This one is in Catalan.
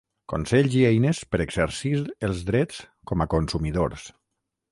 Consells i eines per exercir els drets com a consumidors.